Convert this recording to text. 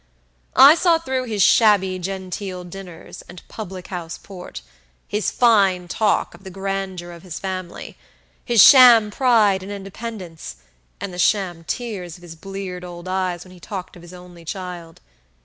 I saw through his shabby genteel dinners and public house port; his fine talk of the grandeur of his family; his sham pride and independence, and the sham tears of his bleared old eyes when he talked of his only child.